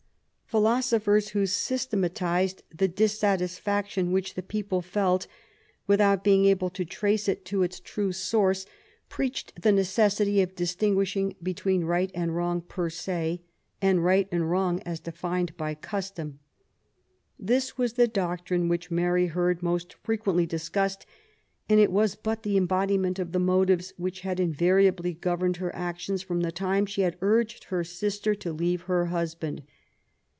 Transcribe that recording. Philosophers, who sys tematised the dissatisfaction which the people felt without being able to trace it to its true source^ LITEBABY LIFE. 81 preached the necessity of distinguishing between right and wrong per se, and right and wrong as defined by custom. This was the doctrine which Mary heard most frequently discussed^ and it was but the embodi ment of the motives which had invariably governed her actions from the time she had urged her sister to leave her husband.